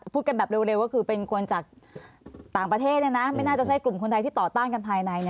พูดกันแบบเร็วก็คือเป็นคนจากต่างประเทศไม่น่าจะใช่กลุ่มคนไทยที่ต่อต้านกันภายใน